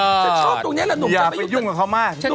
โอ้ตรงนี้แหละนี่อยากไปยุ่งกับเขามาก